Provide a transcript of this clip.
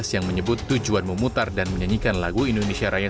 yang menyebut tujuan memutar dan menyanyikan lagu indonesia raya